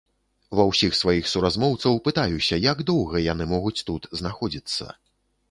Ва ўсіх сваіх суразмоўцаў пытаюся, як доўга яны могуць тут знаходзіцца.